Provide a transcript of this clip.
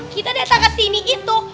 kita datang ke sini gitu